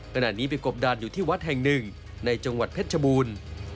ขณะนี้ไปกบดานอยู่ที่วัดแห่งหนึ่งในจังหวัดเพชรชบูรณ์